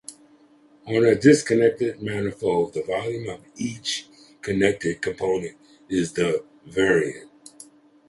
On a disconnected manifold, the volume of each connected component is the invariant.